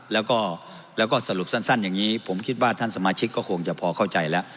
แล้วก็สรุปสั้นอย่างนี้ผมคิดว่าท่านสมาชิกก็คงจะพอเข้าใจแล้ว